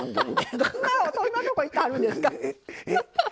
どんなとこ行ってはるんですか。